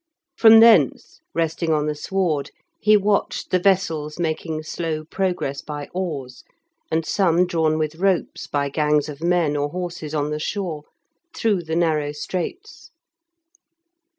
From thence, resting on the sward, he watched the vessels making slow progress by oars, and some drawn with ropes by gangs of men or horses on the shore, through the narrow straits.